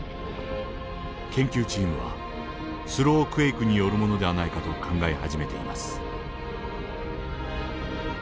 研究チームはスロークエイクによるものではないかと考え始めています。